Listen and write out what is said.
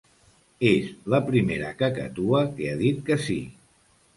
És la primera cacatua que ha dit que sí.